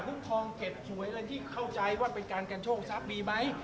ทองเก็บสวยอะไรที่เข้าใจว่าเป็นการกันโชคทรัพย์มีไหม